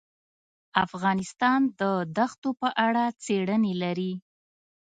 افغانستان د دښتو په اړه څېړنې لري.